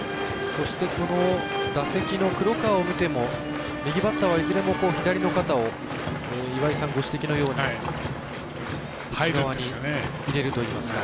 そして打席の黒川を見ても右バッターはいずれも左の肩を、ご指摘のように内側に入れるといいますか。